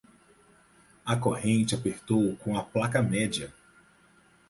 A corrente apertou com a placa média.